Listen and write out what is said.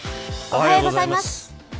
おはようございます。